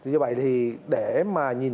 vì vậy thì để mà nhìn